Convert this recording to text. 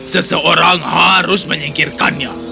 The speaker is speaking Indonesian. seseorang harus menyingkirkannya